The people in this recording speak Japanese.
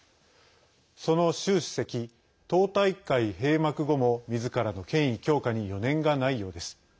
その習主席、党大会閉幕後もみずからの権威強化に余念がないようです。